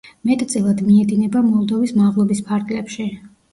მეტწილად მიედინება მოლდოვის მაღლობის ფარგლებში.